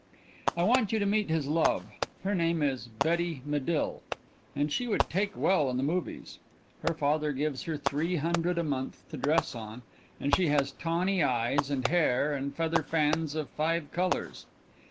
I want you to meet his Love. Her name is Betty Medill, and she would take well in the movies. Her father gives her three hundred a month to dress on, and she has tawny eyes and hair and feather fans of five colors.